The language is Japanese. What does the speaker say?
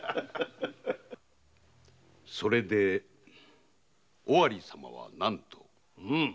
それで尾張様は何と？